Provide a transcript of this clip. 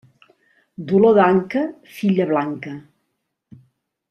Dolor d'anca, filla blanca.